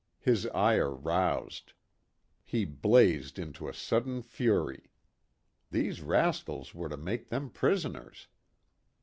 His ire roused. He blazed into a sudden fury. These rascals were to make them prisoners.